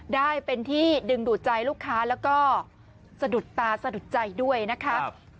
ได้เป็นที่ดึงดูดใจลูกค้าแล้วก็สะดุดตาสะดุดใจด้วยนะคะ